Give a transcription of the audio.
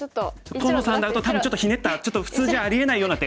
河野さんだと多分ちょっとひねったちょっと普通じゃありえないような手。